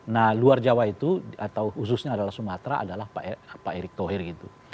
nah luar jawa itu atau khususnya adalah sumatera adalah pak erick thohir gitu